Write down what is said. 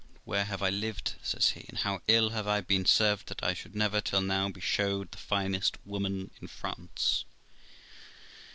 ' And where have I lived ', says he, ' and how ill have I been served, that I should never till now be showed the finest woman in France!'